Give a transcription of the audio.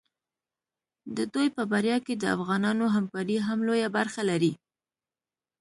د دوی په بریا کې د افغانانو همکاري هم لویه برخه لري.